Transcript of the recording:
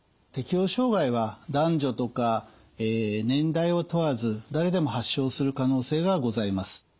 適応障害は男女とか年代を問わず誰でも発症する可能性がございます。